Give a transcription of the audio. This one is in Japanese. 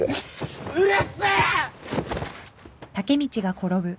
うるせえ！